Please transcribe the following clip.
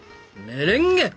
メレンゲ！